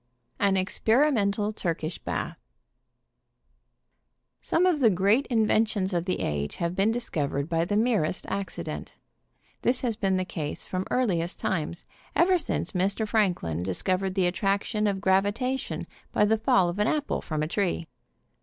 AN EXPERIMENTAL TURKISH BATH. Some of the great inventions of the age have been discovered by the merest accident. This has been the case from earliest times, ever since Mr. Franklin dis covered the attraction of gravitation by the fall of an apple from a tree.